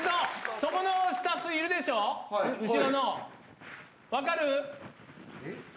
そこのスタッフいるでしょ、後ろの、分かる？